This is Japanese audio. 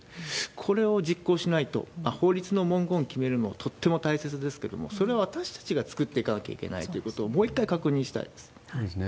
これを実行しないと、法律の文言決めるのもとっても大切ですけれども、それは私たちが作っていかなきゃいけないということをもう一回確そうですね。